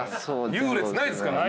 優劣ないですから。